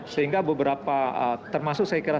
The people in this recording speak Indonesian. sehingga beberapa termasuk saya kira